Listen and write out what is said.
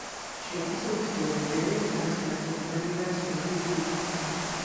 She also explored various aspects of cardiovascular disease.